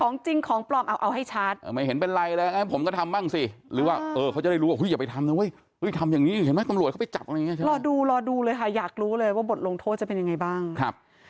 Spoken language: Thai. ของจริงของปลอมเอาให้ชาร์จ